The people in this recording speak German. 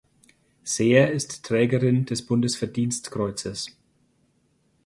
Sehr ist Trägerin des Bundesverdienstkreuzes.